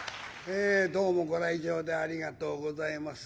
えどうもご来場でありがとうございます。